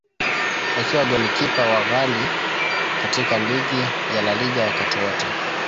Akiwa golikipa wa ghali katika ligi ya La Liga wakati wote.